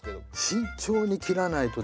慎重に切らないとですね